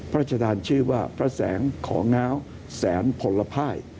พระราชทานชื่อว่าพระแสงของง้าวแสนผลภาย